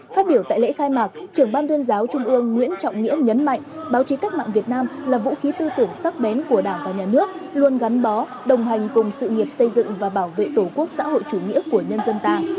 phát biểu tại lễ khai mạc trưởng ban tuyên giáo trung ương nguyễn trọng nghĩa nhấn mạnh báo chí cách mạng việt nam là vũ khí tư tưởng sắc bén của đảng và nhà nước luôn gắn bó đồng hành cùng sự nghiệp xây dựng và bảo vệ tổ quốc xã hội chủ nghĩa của nhân dân ta